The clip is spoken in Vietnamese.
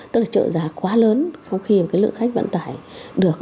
tức là trợ giá quá lớn không khi lượng khách vận tải được